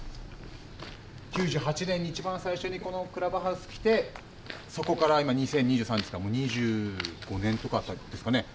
９８年にいちばん最初にこのクラブハウスに来てそこから今２０２３ですからもう２５年とかですかね。